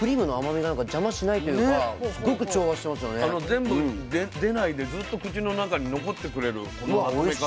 全部出ないでずっと口の中に残ってくれるこの食べ方。